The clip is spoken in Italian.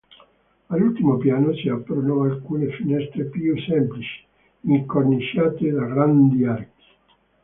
All'ultimo piano si aprono alcune finestre più semplici, incorniciate da grandi archi.